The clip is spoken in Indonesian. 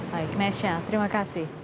baik nesha terima kasih